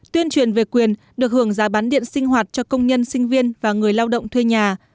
tuyên truyền về quyền được hưởng giá bán điện sinh hoạt cho công nhân sinh viên và người lao động thuê nhà